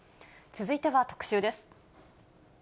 続いては特集です。